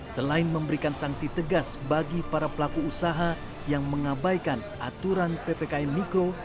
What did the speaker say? selain memberikan sanksi tegas bagi para pelaku usaha yang mengabaikan aturan ppkm mikro